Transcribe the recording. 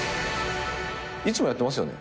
いつもやってますよね。